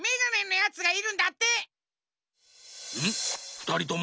ふたりとも？